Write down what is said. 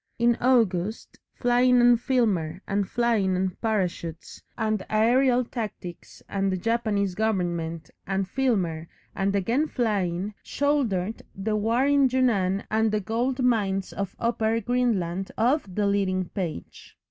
In August flying and Filmer and flying and parachutes and aerial tactics and the Japanese Government and Filmer and again flying, shouldered the war in Yunnan and the gold mines of Upper Greenland off the leading page.